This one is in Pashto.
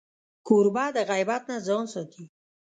کوربه د غیبت نه ځان ساتي.